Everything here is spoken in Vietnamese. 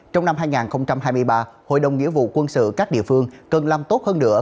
trong năm hai nghìn hai mươi ba hội đồng nghĩa vụ quân sự các địa phương cần làm tốt hơn nữa